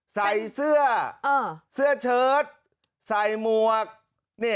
ใส่เสื้อเสื้อเชิร์ตใส่มวกเนี่ย